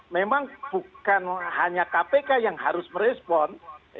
memang bukan hanya kpk yang harus merespon